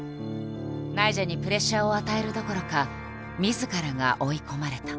ナイジャにプレッシャーを与えるどころかみずからが追い込まれた。